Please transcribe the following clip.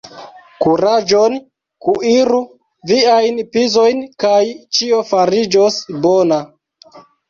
Kuraĝon! Kuiru viajn pizojn kaj ĉio fariĝos bona!